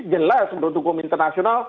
jelas menurut hukum internasional